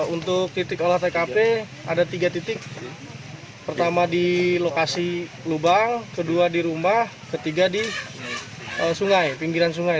untuk titik olah tkp ada tiga titik pertama di lokasi lubang kedua di rumah ketiga di sungai pinggiran sungai